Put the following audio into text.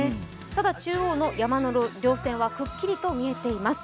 ただ、中央の山のりょう線はくっきりと見えています。